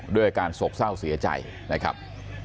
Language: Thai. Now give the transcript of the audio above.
ด้วยอาการโศกเศร้าเสียใจนะครับ